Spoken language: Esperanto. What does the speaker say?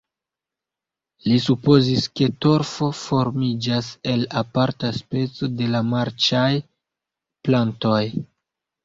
Li supozis ke torfo formiĝas el aparta speco de la marĉaj plantoj.